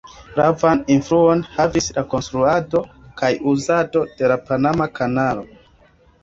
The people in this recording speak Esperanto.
Gravan influon havis la konstruado kaj uzado de la Panama Kanalo.